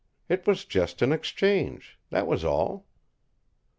It was just an exchange. That was all.